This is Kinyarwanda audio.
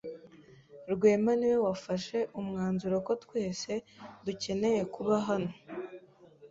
Rwema niwe wafashe umwanzuro ko twese dukeneye kuba hano.